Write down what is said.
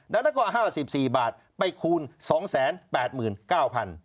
แล้วแล้วยังให้๕๔บาทไปคูณคูณ๒๘๙๐๐๐บาท